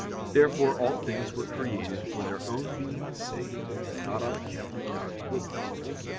Therefore all things were created for their own being's sake, and not on account of God's goodness.